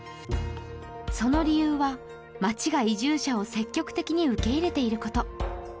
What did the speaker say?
その理由は町が移住者を積極的に受け入れていること